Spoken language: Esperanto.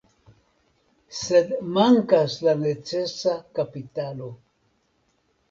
Sed mankas la necesa kapitalo.